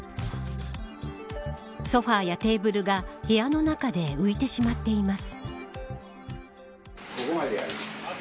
ソファやテーブルが部屋の中で浮いてしまっています。